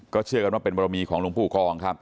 ก็เชื่อกันว่าเป็นบรมีของมูลปูกอง